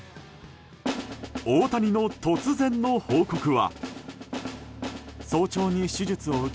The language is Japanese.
大谷の突然の報告は。